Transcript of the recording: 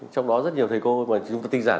trong đó rất nhiều thầy cô mà chúng tôi tinh giản